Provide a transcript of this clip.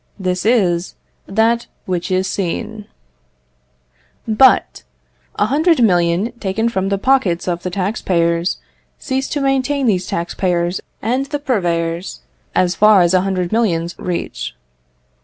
This is that which is seen. But, a hundred millions taken from the pockets of the tax payers, cease to maintain these tax payers and the purveyors, as far as a hundred millions reach.